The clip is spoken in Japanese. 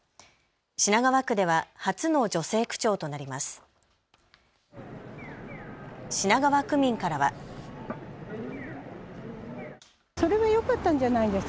品川区では初の女性区長となります。